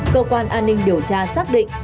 cơ quan an ninh điều tra xác định